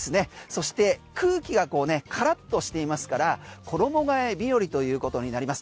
そして空気がカラッとしていますから衣替え日和ということになります。